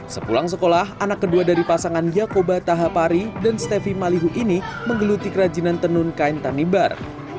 sepulang sekolah anak kedua dari pasangan yakoba tahapari dan stefi malihu ini menggeluti kerajinan tenun kain tanimbar